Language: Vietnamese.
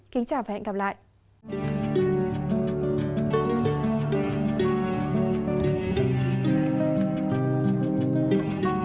kính chào và hẹn gặp lại